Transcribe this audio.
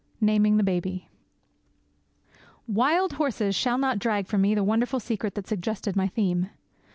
V NAMING THE BABY Wild horses shall not drag from me the wonderful secret that suggested my theme.